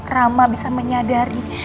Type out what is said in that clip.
rama bisa menyadari